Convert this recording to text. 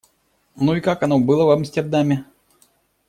Ну, и как оно было в Амстердаме?